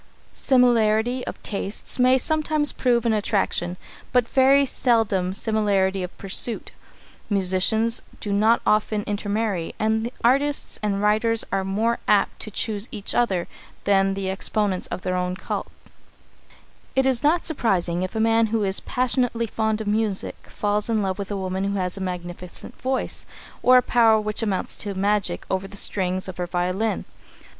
Similarity of tastes may sometimes prove an attraction, but very seldom similarity of pursuit. Musicians do not often intermarry, and artists and writers are more apt to choose each other than exponents of their own cult. [Sidenote: Appreciation and Accomplishment] It is not surprising if a man who is passionately fond of music falls in love with a woman who has a magnificent voice, or a power which amounts to magic over the strings of her violin.